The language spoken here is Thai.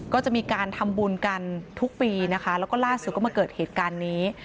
ก็จะมีการทำบุญกันทุกปีนะคะแล้วก็ล่าสุดก็มาเกิดเหตุการณ์นี้